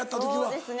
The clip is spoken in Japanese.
そうです